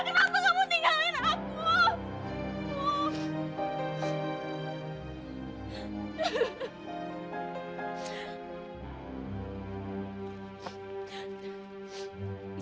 rangga kenapa kamu tinggalin aku